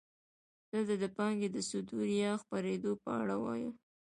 دلته د پانګې د صدور یا خپرېدو په اړه وایو